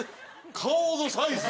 顔のサイズ。